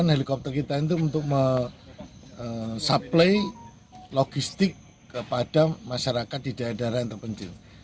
helikopter kita itu untuk mensuplai logistik kepada masyarakat di daerah daerah yang terpencil